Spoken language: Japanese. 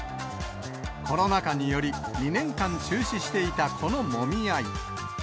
コロナ禍により、２年間中止していたこのもみ合い。